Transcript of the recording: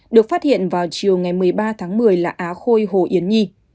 được phát hiện vào chiều ngày một mươi ba tháng một mươi là á khôi hồ yến nhi